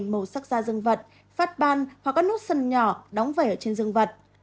màu sắc da dân vật phát ban hoặc có nốt sần nhỏ đóng vẩy ở trên dân vật